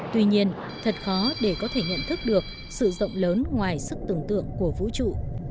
tuy nhiên thật khó để có thể nhận thức được sự rộng lớn ngoài sức tưởng tượng của vũ trụ